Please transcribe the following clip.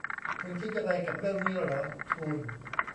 คุณคิดยังไงกับเรื่องนี้หรอ ? ทูน